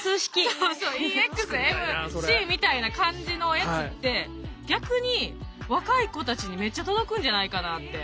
そうそうＥｘｍｃみたいな感じのやつって逆に若い子たちにめっちゃ届くんじゃないかなって。